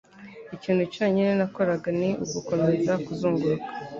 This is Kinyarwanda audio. ikintu cyonyine nakoraga ni ugukomeza kuzunguruka. ”